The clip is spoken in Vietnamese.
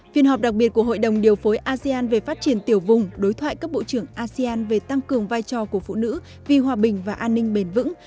phiên họp đặc biệt của hội đồng điều phối asean về phát triển tiểu vùng đối thoại cấp bộ trưởng asean về tăng cường vai trò của phụ nữ vì hòa bình và an ninh bền vững